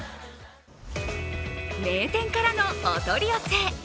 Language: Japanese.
名店からのお取り寄せ。